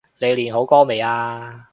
你練好歌未呀？